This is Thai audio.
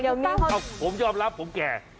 เอ้าผมยอมรับผมแก่